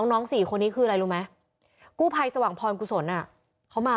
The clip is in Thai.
น้องสี่คนนี้คืออะไรรู้ไหมกู้ภัยสว่างพรกุศลเขามา